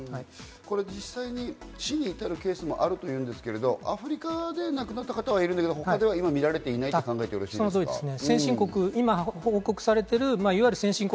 実際に死に至るケースもあるというんですけれど、アフリカで亡くなった方はいるけど他では今、みられていないと考えていいですか？